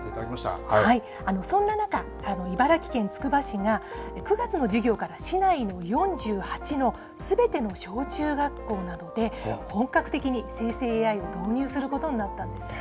そんな中、茨城県つくば市が９月の授業から市内の４８のすべての小、中学校などで本格的に生成ＡＩを導入することになったんです。